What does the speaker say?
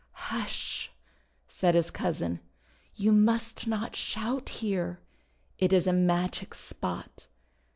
"Hush!' said his cousin. 'You must not shout here! It is a magic spot.